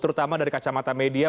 terutama dari kacamata media